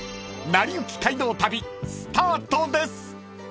［『なりゆき街道旅』スタートです！］